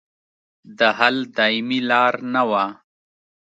د حل دایمي لار نه وه.